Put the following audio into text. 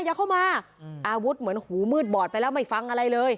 อย่าเข้ามาอาวุธเหมือนหูมืดบอดไปแล้วไม่ฟังอะไรเลย